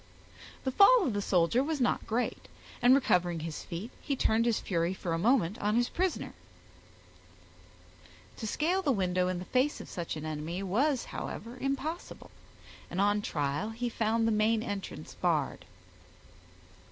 The fall of the soldier was not great, and recovering his feet, he turned his fury for a moment on his prisoner. To scale the window in the face of such an enemy, was, however, impossible, and on trial he found the main entrance barred.